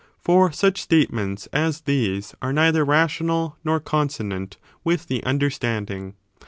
for such statements as these are neither rational nor consonant with the understanding.